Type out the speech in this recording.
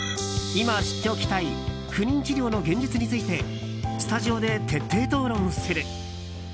今知っておきたい不妊治療の現実についてスタジオで徹底討論する。